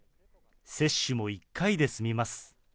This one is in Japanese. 接種も１回で済みます。